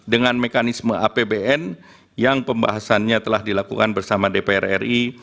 dengan mekanisme apbn yang pembahasannya telah dilakukan bersama dpr ri